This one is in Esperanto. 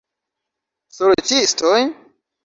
Sorĉistoj?